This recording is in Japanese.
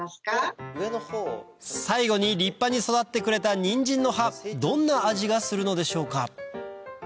最後に立派に育ってくれたニンジンの葉どんな味がするのでしょうか？